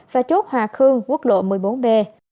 và chốt hòa khương quốc lộ một mươi bốn b